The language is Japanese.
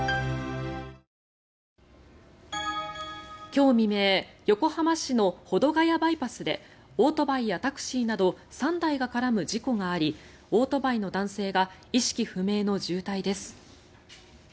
今日未明横浜市の保土ヶ谷バイパスでオートバイやタクシーなど３台が絡む事故がありオートバイの男性が意識不明の重体です。